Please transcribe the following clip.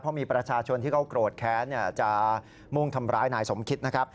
เพราะมีประชาชนที่เขาโกรธแค้นจะมุ่งทำร้ายนายสมคิดนะครับ